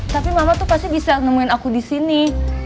tapi mama tuh pasti bisa nemuin aku disini